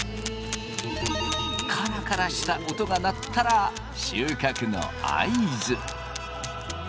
カラカラした音が鳴ったら収穫の合図。